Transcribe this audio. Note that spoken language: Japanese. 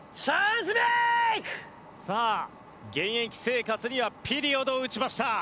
さあ現役生活にはピリオドを打ちました。